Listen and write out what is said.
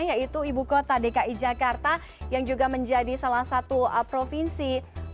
yaitu ibu kota dki jakarta yang juga menjadi salah satu provinsi